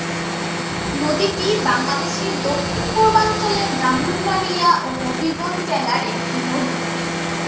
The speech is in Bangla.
নদীটি বাংলাদেশের দক্ষিণ-পূর্বাঞ্চলের ব্রাহ্মণবাড়িয়া ও হবিগঞ্জ জেলার একটি নদী।